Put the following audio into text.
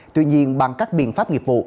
tuy nhiên bằng các biện pháp nghiệp vụ